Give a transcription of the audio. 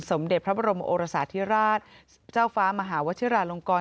สมเด็จพระบรมโอรสาธิราชเจ้าฟ้ามหาวชิราลงกร